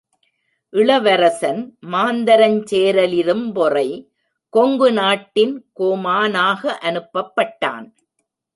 இளவரசன் மாந்தரஞ் சேரலிரும்பொறை, கொங்கு நாட்டின் கோமானாக அனுப்பப்பட்டான்.